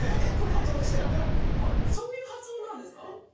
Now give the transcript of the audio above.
そういう発音なんですか？